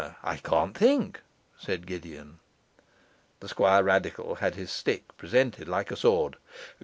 'I can't think,' said Gideon. The Squirradical had his stick presented like a sword.